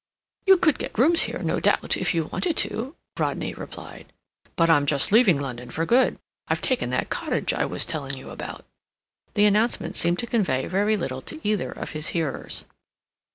"You could get rooms here, no doubt, if you wanted to," Rodney replied. "But I'm just leaving London for good—I've taken that cottage I was telling you about." The announcement seemed to convey very little to either of his hearers.